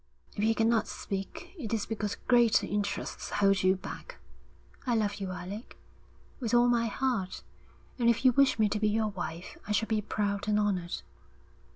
If you cannot speak, it is because greater interests hold you back. I love you, Alec, with all my heart, and if you wish me to be your wife I shall be proud and honoured.'